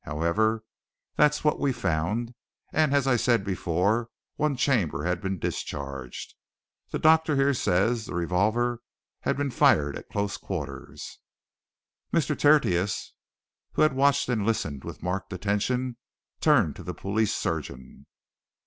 However, that's what we found and, as I said before, one chamber had been discharged. The doctor here says the revolver had been fired at close quarters." Mr. Tertius, who had watched and listened with marked attention, turned to the police surgeon.